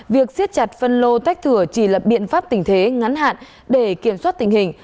việc siết chặt phân lô tách thửa chỉ là biện pháp tình thế ngắn hạn để kiểm soát tình hình